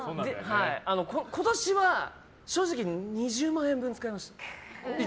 今年は正直２０万円分使いました。